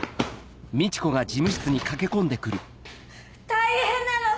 大変なの！